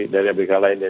dari abk lainnya